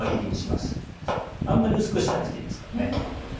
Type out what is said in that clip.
あんまり薄くしなくていいですからね。